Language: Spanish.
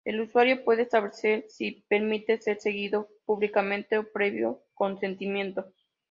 El usuario puede establecer si permite ser seguido públicamente o previo consentimiento.